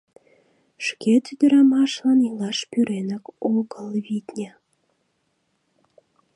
Шкет ӱдырамашлан илаш пӱренак огыл, витне.